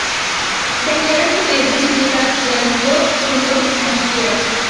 The nearest major cities are Flensburg, Husum and Kiel.